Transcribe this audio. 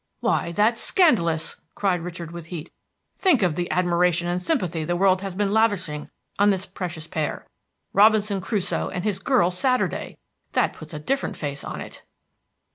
"Why, that's scandalous!" cried Richard with heat. "Think of the admiration and sympathy the world has been lavishing on this precious pair; Robinson Crusoe and his girl Saturday! That puts a different face on it."